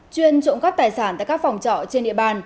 chuyên trộm cắp tài sản tại các phòng trọ trên địa bàn